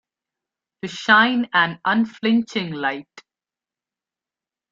To shine an unflinching light.